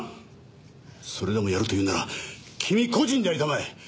それでもやると言うなら君個人でやりたまえ！